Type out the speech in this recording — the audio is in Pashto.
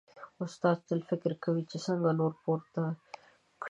استاد تل فکر کوي چې څنګه نور پورته کړي.